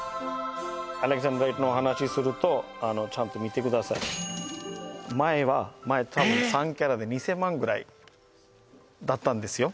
アレキサンドライトの話するとあのちゃんと見てください前は前は多分３カラットで２０００万ぐらいだったんですよ